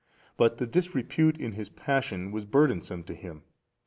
But the disrepute in His Passion |312 was burdensome to Him.